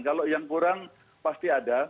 kalau yang kurang pasti ada